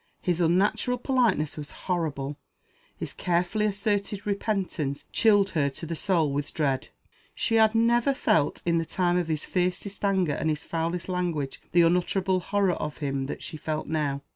His unnatural politeness was horrible; his carefully asserted repentance chilled her to the soul with dread. She had never felt in the time of his fiercest anger and his foulest language the unutterable horror of him that she felt now.